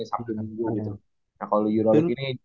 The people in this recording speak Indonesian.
sabtu minggu gitu nah kalau eurolik ini